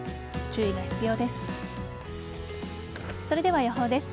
注意が必要です。